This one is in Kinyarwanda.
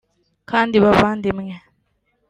kandi bavandimwe